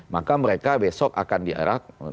maka mereka besok akan diarak